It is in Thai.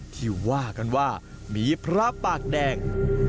ที่ว่ากันว่ามีพระปากแดง